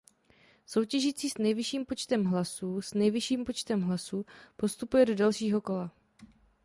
Soutěžící s nejvyšším počtem hlasů s nejvyšším počtem hlasů postupuje do dalšího kola.